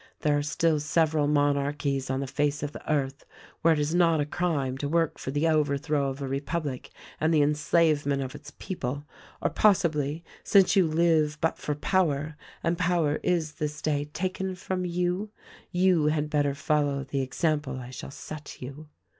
"There are still several monarchies on the face of the earth where it is not a crime to work for the overthrow of a republic and the enslavement of its people ; or, possibly, since you live but for power, and power is this day taken from you, you had better follow the example I shall set you.